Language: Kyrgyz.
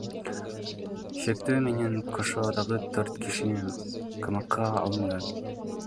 Шектүү менен кошо дагы төрт киши камакка алынган.